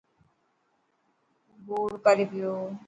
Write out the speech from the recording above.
گوڙ ڪري پيو.